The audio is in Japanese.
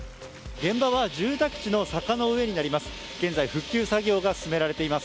現場は住宅地の坂の上になります。